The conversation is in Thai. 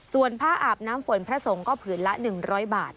ส่วนผ้าอาบน้ำฝนพระสงฆ์ก็ผืนละ๑๐๐บาท